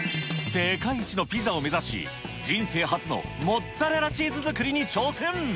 世界一のピザを目指し、人生初のモッツァレラチーズ作りに挑戦。